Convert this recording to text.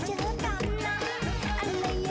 โจ๊กโจ๊กโจ๊กโจ๊กกันหน่อย